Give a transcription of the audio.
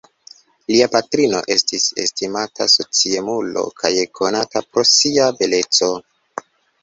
Lia patrino estis estimata sociemulo kaj konata pro sia beleco.